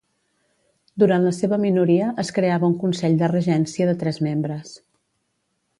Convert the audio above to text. Durant la seva minoria es creava un consell de regència de tres membres.